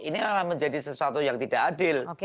inilah menjadi sesuatu yang tidak adil